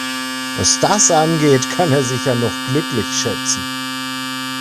Was das angeht, kann er sich ja noch glücklich schätzen.